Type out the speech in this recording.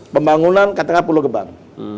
pembangunan di tengah pulau gebang